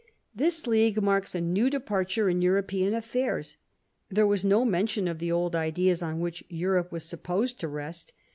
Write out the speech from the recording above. This League marks a new departure in European affairs. There was no mention of the old ideas on which Europe was supposed to rest.